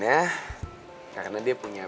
tapi tiba tiba dia ngebantalin pernikahan